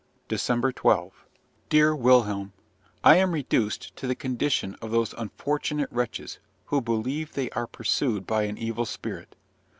DECEMBER 12. Dear Wilhelm, I am reduced to the condition of those unfortunate wretches who believe they are pursued by an evil spirit.